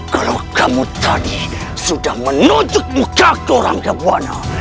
kalau kamu tadi sudah menunjuk muka ke ranggabwana